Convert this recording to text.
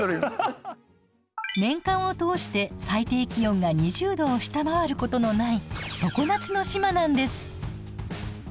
年間を通して最低気温が２０度を下回ることのない常夏の島なんです。